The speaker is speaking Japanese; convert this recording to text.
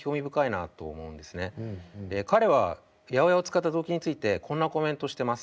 彼は８０８を使った動機についてこんなコメントしてます。